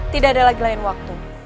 tidak ada lagi lain waktu